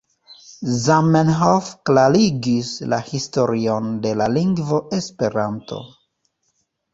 Zamenhof klarigis la historion de la lingvo Esperanto.